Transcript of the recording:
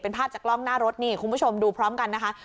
เป็นภาพจากกล้องหน้ารถนี่คุณผู้ชมดูพร้อมกันนะคะ